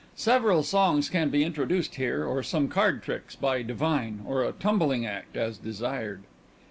Several songs can be introduced here or some card tricks by_ DIVINE _or a tumbling act, as desired.